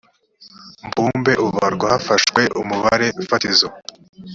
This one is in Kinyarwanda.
mbumbe ubarwa hafashwe umubare fatizo